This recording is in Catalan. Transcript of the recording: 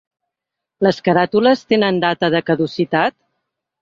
Les caràtules tenen data de caducitat?